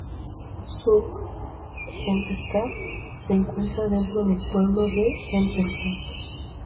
South Hempstead se encuentra dentro del pueblo de Hempstead.